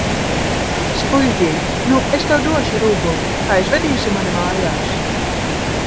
Spuļģīt! Nu, es tev došu rubuli. Aizvedīsi mani mājās?